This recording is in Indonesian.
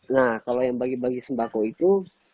nah kalau yang bagi bagi sembako itu